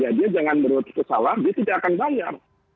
jadi dia jangan berwaktunya salah dia tidak akan bayar